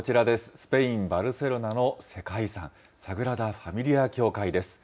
スペイン・バルセロナの世界遺産、サグラダ・ファミリア教会です。